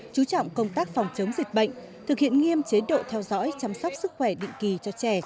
chú trọng công tác phòng chống dịch bệnh thực hiện nghiêm chế độ theo dõi chăm sóc sức khỏe định kỳ cho trẻ